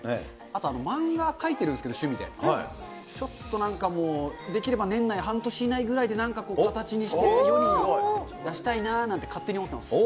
あと、漫画描いてるんですけど、趣味で、ちょっとなんかもう、できれば年内半年以内ぐらいで、なんか形にして世に出したいななんて、勝手に思ってます。